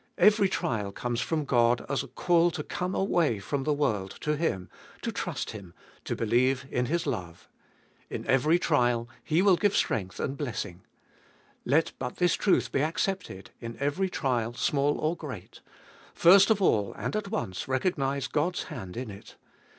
Every trial comes from God as a call to come away from the world to Him, to trust Him, to believe in His love. In every trial He will give strength and blessing. Let but this truth be accepted, in every trial, small or great : first of all and at once recognise God's hand in it.